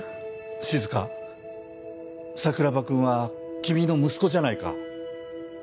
静桜庭君は君の息子じゃないか